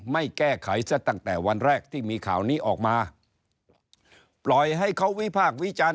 ไม่แก้ไขซะตั้งแต่วันแรกที่มีข่าวนี้ออกมา